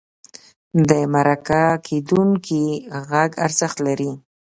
د مرکه کېدونکي غږ ارزښت لري.